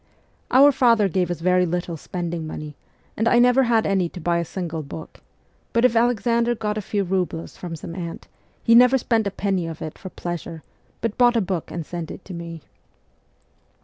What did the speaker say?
Our father gave us very little spending money, and I never had any to buy a single book ; but if Alexander got a few roubles from some aunt, he never spent a penny of it for pleasure, but bought a book and sent it to me.